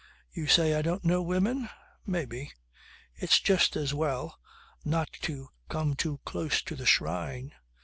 "You say I don't know women. Maybe. It's just as well not to come too close to the shrine.